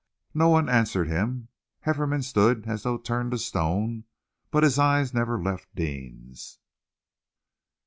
No one answered him. Hefferom stood as though turned to stone, but his eyes never left Deane's.